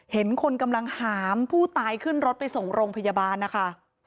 เห็นคนกำลังหามผู้ตายขึ้นรถไปส่งโรงพยาบาลนะคะ